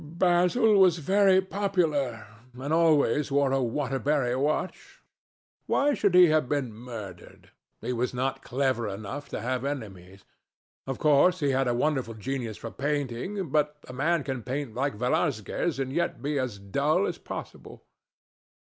"Basil was very popular, and always wore a Waterbury watch. Why should he have been murdered? He was not clever enough to have enemies. Of course, he had a wonderful genius for painting. But a man can paint like Velasquez and yet be as dull as possible.